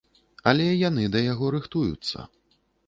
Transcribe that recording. Але яны да яго рыхтуюцца.